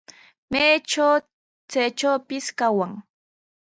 Maytraw chaytrawpis kawan.